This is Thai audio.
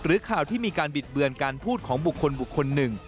ข่าวที่มีการบิดเบือนการพูดของบุคคลบุคคลหนึ่ง